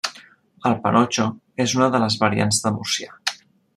El panotxo és una de les variants de murcià.